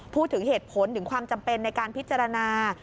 พูดถึงเหตุผลถึงความจำเป็นในการพิจารณา